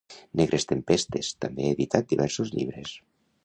Negres Tempestes també ha editat diversos llibres.